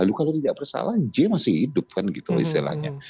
lalu kalau tidak bersalah j masih hidup kan gitu istilahnya